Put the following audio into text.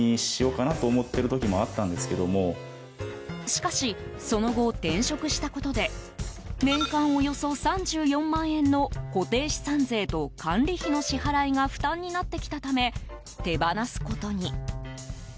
しかしその後、転職したことで年間およそ３４万円の固定資産税と管理費の支払いが負担になってきたため手放すことに。